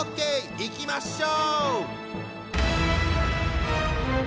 いきましょう。